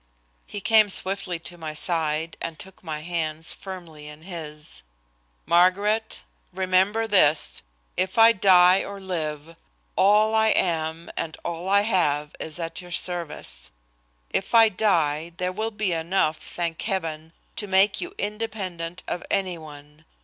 He came swiftly to my side, and took my hands firmly in his. "Margaret, remember this, if I die or live, all I am and all I have is at your service. If I die there will be enough, thank heaven, to make you independent of any one.